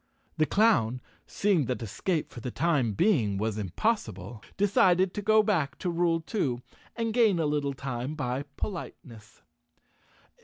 The clown, seeing that escape for the time being was impossible, decided to go back to rule two and gain a little time by politeness.